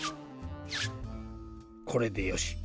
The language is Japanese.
これでよし。